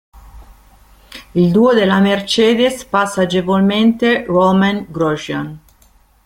Il duo della Mercedes passa agevolmente Romain Grosjean.